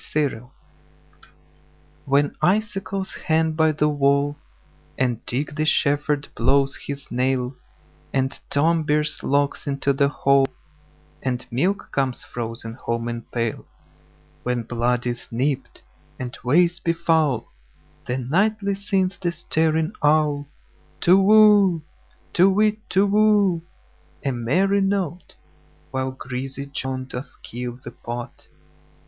Winter WHEN icicles hang by the wallAnd Dick the shepherd blows his nail, And Tom bears logs into the hall, And milk comes frozen home in pail; When blood is nipt, and ways be foul, Then nightly sings the staring owlTu whoo! To whit, Tu whoo! A merry note! While greasy Joan doth keel the pot.